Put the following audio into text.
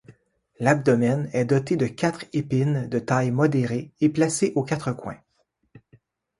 L'abdomen est doté de quatre épines de taille modérée et placées aux quatre coins.